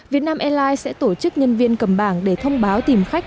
việt nam airlines sẽ tổ chức nhân viên cầm bảng để thông báo tìm khách